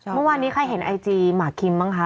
เมื่อวานนี้ใครเห็นไอจีหมากคิมบ้างคะ